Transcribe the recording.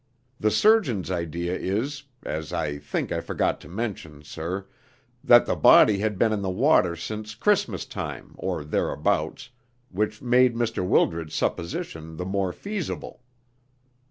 The surgeon's idea is, as I think I forgot to mention, sir, that the body had been in the water since Christmas time, or thereabouts, which made Mr. Wildred's supposition the more feasible.